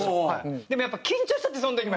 でもやっぱ緊張しちゃってその時も。